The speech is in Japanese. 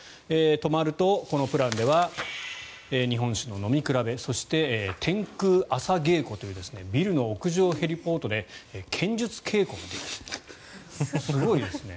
泊まると、このプランでは日本酒の飲み比べそして、天空朝稽古というビルの屋上ヘリポートで剣術稽古ができるすごいですね。